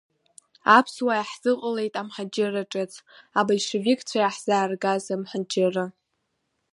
Аԥсуаа иаҳзыҟалеит амҳаџьырра ҿыц, абольшевикцәа иаҳзааргаз амҳаџьырра.